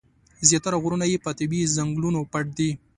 زیاتره غرونه یې په طبیعي ځنګلونو پټ دي.